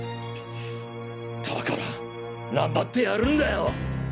だから何だってやるんだよ。